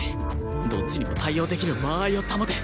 どっちにも対応できる間合いを保て！